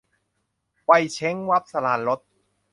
วัยเช้งวับ - สราญรส